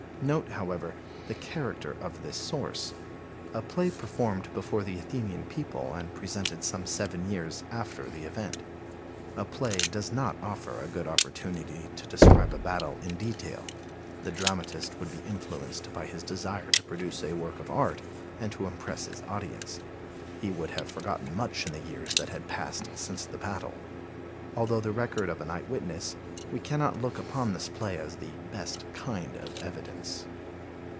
Note, however, the character of this source; a play performed before the Athenian people and presented some seven years after the event. A play does not offer a good opportunity to describe a battle in detail; the dramatist would be influenced by his desire to produce a work of art and to impress his audience; he would have forgotten much in the years that had passed since the battle. Although the record of an eyewitness, we cannot look upon this play as the best kind of evidence.